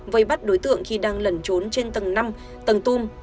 vây bắt đối tượng khi đang lẩn trốn trên tầng năm tầng tung